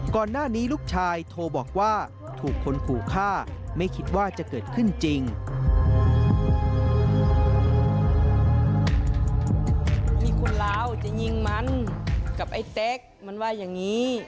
ก่อนหน้านี้ลูกชายโทรบอกว่าถูกคนขู่ฆ่าไม่คิดว่าจะเกิดขึ้นจริง